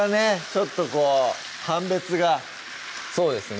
ちょっとこう判別がそうですね